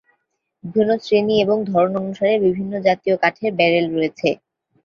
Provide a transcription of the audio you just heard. বিভিন্ন শ্রেণী এবং ধরন অনুসারে বিভিন্ন জাতিয় কাঠের ব্যারেল রয়েছে।